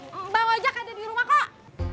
mbak ojak ada di rumah kok